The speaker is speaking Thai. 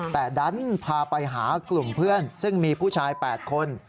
แต่ดันพาไปหากลุ่มเพื่อนซึ่งมีผู้ชาย๘คน